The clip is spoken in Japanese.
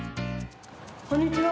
こんにちは。